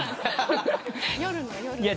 夜の夜の。